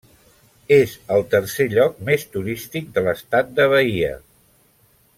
És el tercer lloc més turístic de l'Estat de Bahia.